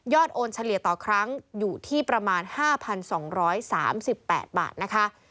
โอนเฉลี่ยต่อครั้งอยู่ที่ประมาณ๕๒๓๘บาทนะคะ